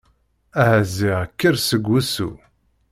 Aha ziɣ kker seg wusu!